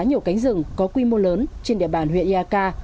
nhiều cánh rừng có quy mô lớn trên địa bàn huyện yaka